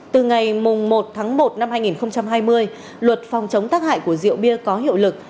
từ ngày một tháng một năm hai nghìn hai mươi luật phòng chống tác hại của rượu bia có hiệu lực